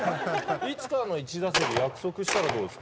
いつかの１打席約束したらどうですか？